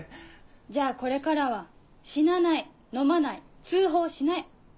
じゃあこれからは死なない飲まない通報しない。